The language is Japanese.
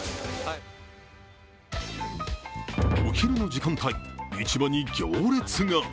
お昼の時間帯、市場に行列が。